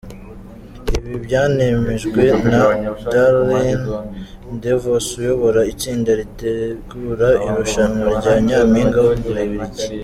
Ibi byanemejwe na Darline Devos uyobora itsinda ritegura irushanwa rya Nyampinga w’u Bubiligi.